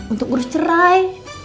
untuk urus cerai